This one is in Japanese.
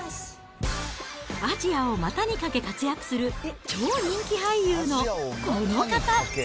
アジアを股にかけ活躍する、超人気俳優のこの方。